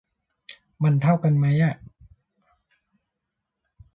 มันเท่ากันมั้ยอะ